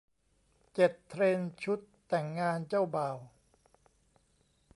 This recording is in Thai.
เจ็ด เทรนด์ชุดแต่งงานเจ้าบ่าว